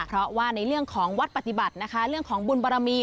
เพราะว่าในเรื่องของวัดปฏิบัตินะคะเรื่องของบุญบารมี